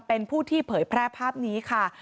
เป็นผู้ที่เผยแพร่ภาพนี้ค่ะ